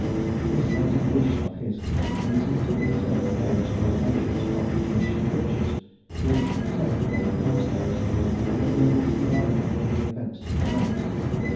This latent wish of his leads him to insert various quotations from the Jewish Scriptures which, severed from their context, have a verbal similarity with the events he narrates.